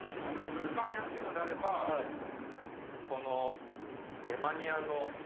一番安いのであればそこのレマニアの。